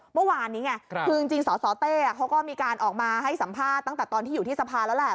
เมื่อวานนี้ไงคือจริงสสเต้เขาก็มีการออกมาให้สัมภาษณ์ตั้งแต่ตอนที่อยู่ที่สภาแล้วแหละ